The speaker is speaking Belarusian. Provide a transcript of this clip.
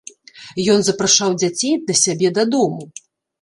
Ён запрашаў дзяцей да сябе дадому.